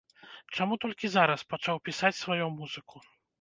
Чаму толькі зараз пачаў пісаць сваю музыку?